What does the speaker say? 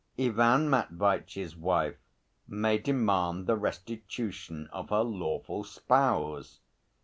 Ivan Matveitch's wife may demand the restitution of her lawful spouse.